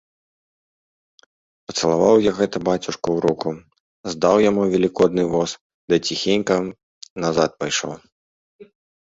Пацалаваў я гэта бацюшку ў руку, здаў яму велікодны воз ды ціхенька назад пайшоў.